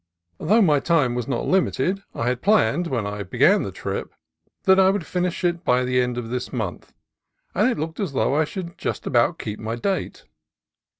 Though my time was not limited I had planned when I began the trip that I would finish it by the end of this month, and it looked as though I should just about keep my date.